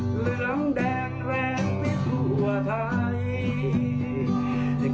เหลืองแดงแรงไปทั่วไทย